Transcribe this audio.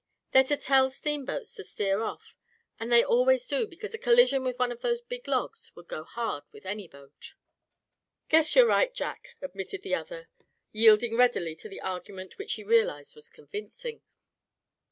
They're to tell steamboats to sheer off; and they always do, because a collision with all those big logs would go hard with any boat." "Guess you're right, Jack," admitted the other, yielding readily to the argument which he realized was convincing.